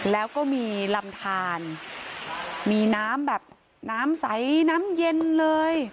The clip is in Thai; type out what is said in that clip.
แล้วก็มีลำทานมีน้ำแบบน้ำใสน้ำเย็นเลย